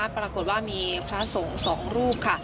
ปรากฏว่ามีพระศงศ์๒ลูก